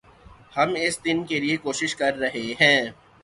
ہم اس دن کے لئے کوشش کررہے ہیں